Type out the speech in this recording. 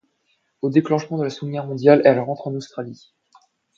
Au déclenchement de la Deuxième Guerre mondiale, elles rentrent en Australie.